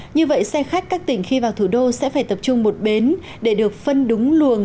như vậy xe khách các tỉnh khi vào thủ đô sẽ phải tập trung một bến để được phân đúng luồng